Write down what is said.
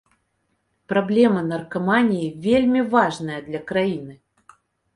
Праблема наркаманіі вельмі важная для краіны.